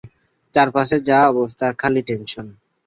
চারপাশের যা অবস্থা, খালি টেনশন!